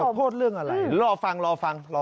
แล้วขอโทษเรื่องอะไรรอฟัง